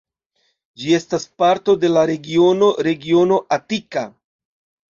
Ĝi estas parto de la regiono regiono Atika.